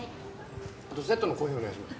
あとセットのコーヒーお願いします。